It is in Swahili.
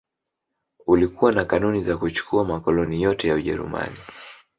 Ulikuwa na kanuni za kuchukua makoloni yote ya Ujerumani